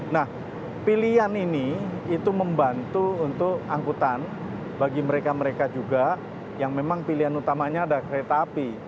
nah pilihan ini itu membantu untuk angkutan bagi mereka mereka juga yang memang pilihan utamanya ada kereta api